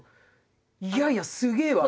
いやいやすげえわって。